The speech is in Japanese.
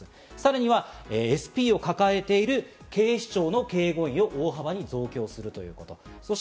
さらにＳＰを抱えている警視庁の警護員を大幅に増強するということになります。